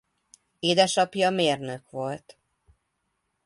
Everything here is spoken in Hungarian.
Édesapja mérnök volt.